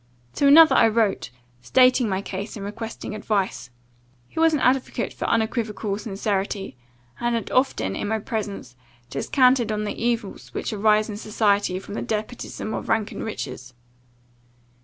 "To another I wrote, stating my case, and requesting advice. He was an advocate for unequivocal sincerity; and had often, in my presence, descanted on the evils which arise in society from the despotism of rank and riches.